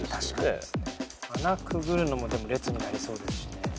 穴くぐるのもでも列になりそうですしね。